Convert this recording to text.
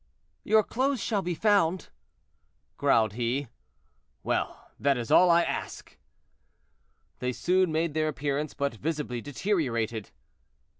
"Your clothes shall be found," growled he. "Well! that is all I ask." They soon made their appearance, but visibly deteriorated.